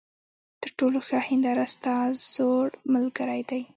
تر ټولو ښه هینداره ستا زوړ ملګری دی.